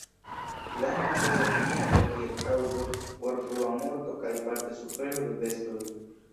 Lano estas opiniata kiel kaŭzo por frua morto kaj parte sufero de bestoj.